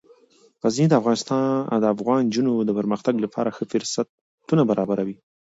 غزني د افغان نجونو د پرمختګ لپاره ښه فرصتونه برابروي.